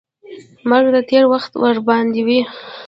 مرګ د تېر وخت ور بندوي.